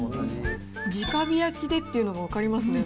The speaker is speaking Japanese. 直火焼でっていうのが分かりますね。